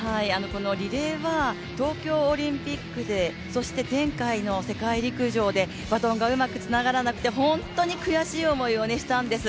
リレーは東京オリンピックで、そして前回の世界陸上でバトンがうまくつながらなくて本当に悔しい思いをしたんです。